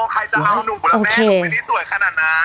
ใครจะเอาหนูกับแม่หนูไปนี้สวยขนาดนั้น